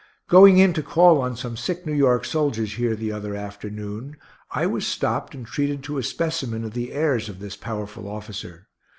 Going in to call on some sick New York soldiers here the other afternoon, I was stopped and treated to a specimen of the airs of this powerful officer.